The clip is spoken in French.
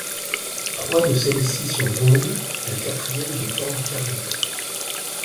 Trois de celles-ci sont rondes, la quatrième de forme carrée.